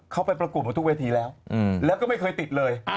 เขาไปประกวดมาทุกเวทีแล้วแล้วก็ไม่เคยติดเลย